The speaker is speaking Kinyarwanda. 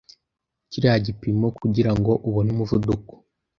kiriya gipimo kugirango ubone umuvuduko